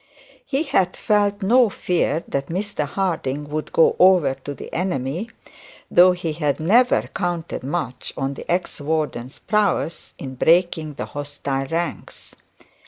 He had felt no fear that Mr Harding would go over to the enemy, though he had never counted much on the ex warden's prowess in breaking the battle ranks.